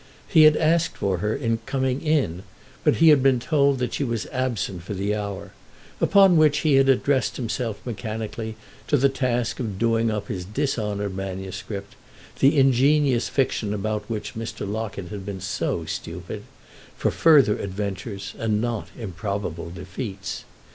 He had asked for her on coming in, but had been told she was absent for the hour; upon which he had addressed himself mechanically to the task of doing up his dishonoured manuscript—the ingenious fiction about which Mr. Locket had been so stupid—for further adventures and not improbable defeats.